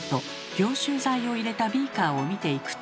凝集剤を入れたビーカーを見ていくと。